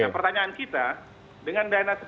pertanyaan kita dengan dana